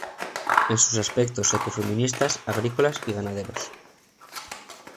en sus aspectos ecofeministas, agrícolas y ganaderos